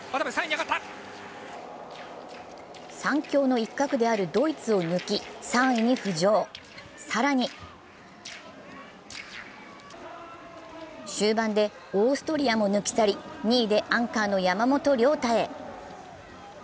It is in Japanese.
３強の一角であるドイツを抜き３位に浮上、更に終盤でオーストリアも抜き去り、２位でアンカーの山本涼太へ。